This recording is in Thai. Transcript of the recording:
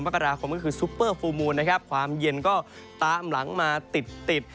ก็คือซุปเปอร์ฟูลมูลความเย็นก็ตามหลังมาติด